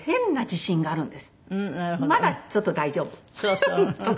まだちょっと大丈夫とか。